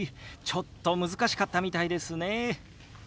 ちょっと難しかったみたいですね。